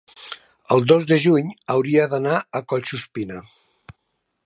el dos de juny hauria d'anar a Collsuspina.